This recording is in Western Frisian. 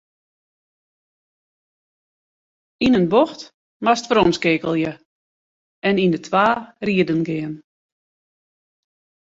Yn in bocht moatst weromskeakelje en yn de twa riden gean.